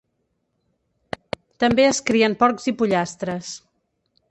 També es crien porcs i pollastres.